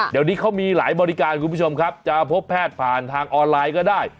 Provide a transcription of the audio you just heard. เดี๋ยวนี้เขามีหลายบริการคุณผู้ชมครับจะพบแพทย์ผ่านทางออนไลน์ก็ได้